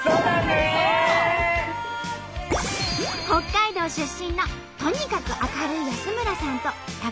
北海道出身のとにかく明るい安村さんと高田秋さん。